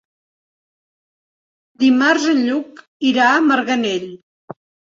Dimarts en Lluc irà a Marganell.